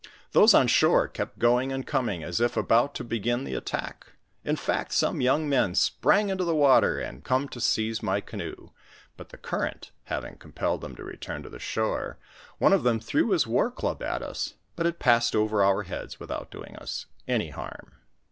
Those on shore kept going and coming, as if about to begin the attack. In fact, some young men sprang into the water to come and seize my canoe, but the current having compelled them to return to the shore, one of them threw his war club at us, but it passed over our heads without doing us any harm.